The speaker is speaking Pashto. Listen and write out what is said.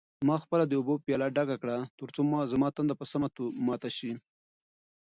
ما خپله د اوبو پیاله ډکه کړه ترڅو زما تنده په سمه ماته شي.